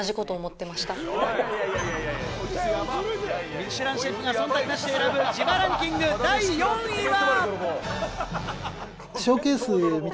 ミシュランシェフが忖度なしで選ぶ、自腹ンキング第４位は。